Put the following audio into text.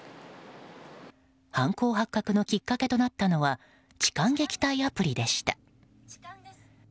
犯行発覚のきっかけとなったのは痴漢撃退アプリでした。